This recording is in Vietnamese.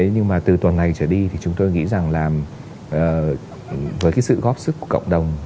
nhưng mà từ tuần này trở đi thì chúng tôi nghĩ rằng là với cái sự góp sức của cộng đồng